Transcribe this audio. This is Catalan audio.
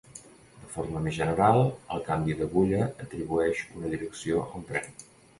De forma més general, el canvi d'agulla atribueix una direcció a un tren.